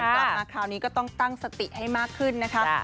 กลับมาคราวนี้ก็ต้องตั้งสติให้มากขึ้นนะคะ